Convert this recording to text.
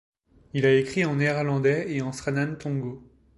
Il a écrit en néerlandais et en sranan tongo.